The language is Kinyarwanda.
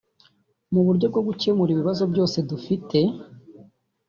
mu buryo bwo gukemura ibibazo byose dufite